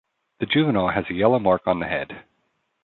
The juvenile has a yellow mark on the head.